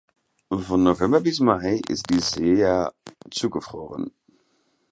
Von November bis Mai ist die Seja zugefroren.